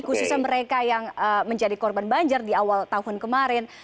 khususnya mereka yang menjadi korban banjir di awal tahun kemarin